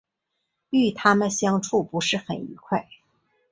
与他们相处不是很愉快